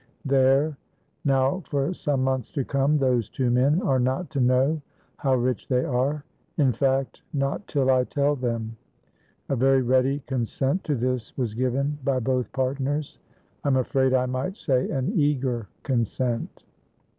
There! now for some months to come those two men are not to know how rich they are, in fact not till I tell them." A very ready consent to this was given by both partners; I am afraid I might say an eager consent.